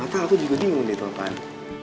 gak tau aku juga bingung deh teman teman